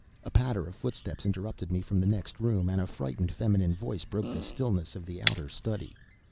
A patter of footsteps interrupted me from the next room, and a frightened, feminine voice broke the stillness of the outer study.